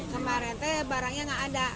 kemarin barangnya tidak ada